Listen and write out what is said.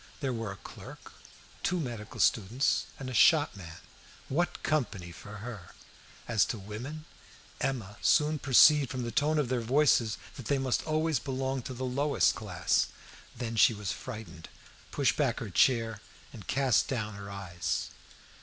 There were a clerk, two medical students, and a shopman what company for her! As to the women, Emma soon perceived from the tone of their voices that they must almost belong to the lowest class. Then she was frightened, pushed back her chair, and cast down her eyes.